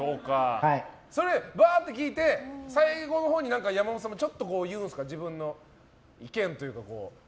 それをバーって聞いて山本さんもちょっと言うんですか自分の意見というか。